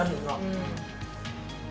うん。